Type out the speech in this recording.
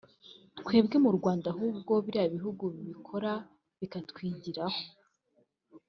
twebwe mu Rwanda ahubwo biriya bihugu bibikora bikatwigiraho